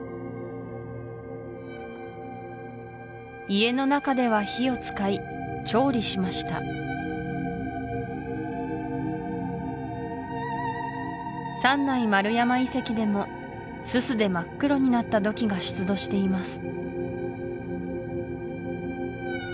家の中では火を使い調理しました三内丸山遺跡でもすすで真っ黒になった土器が出土しています